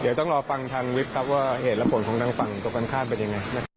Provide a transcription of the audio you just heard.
เดี๋ยวต้องรอฟังทางวิบครับว่าเหตุและผลของทางฝั่งตรงกันข้ามเป็นยังไงนะครับ